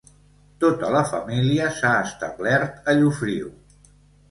Tota la família s'ha establert a Llofriu.